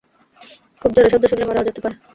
খুব জোরে শব্দ শুনলে, মারাও যেতে পারে।